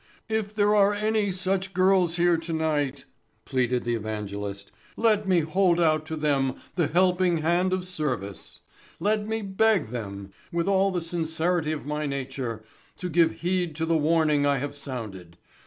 "If there are any such girls here tonight," pleaded the evangelist, "let me hold out to them the helping hand of service. Let me beg them, with all the sincerity of my nature, to give heed to the warning I have sounded.